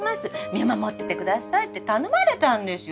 見守っててください」って頼まれたんですよ。